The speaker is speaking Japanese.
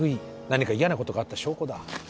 何か嫌なことがあった証拠だ。